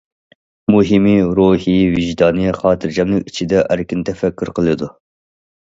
مۇھىمى روھى، ۋىجدانى خاتىرجەملىك ئىچىدە ئەركىن تەپەككۇر قىلىدۇ.